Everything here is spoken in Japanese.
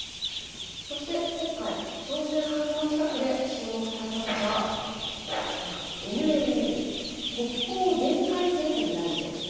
そして今回、朝鮮半島近くで注目されたのがＮＬＬ＝北方限界線というラインです。